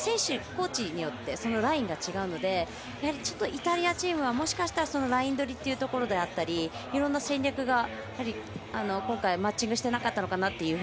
コーチによってそのラインが違うのでちょっとイタリアチームはもしかしたらライン取りだったりいろんな戦略が今回はマッチングしていなかったのかなと。